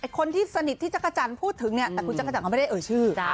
คนที่สนิทที่จักรจันทร์พูดถึงเนี่ยแต่คุณจักรจันทร์เขาไม่ได้เอ่ยชื่อ